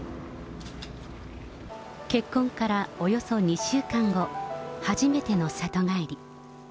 結婚からおよそ２週間後、初めての里帰り。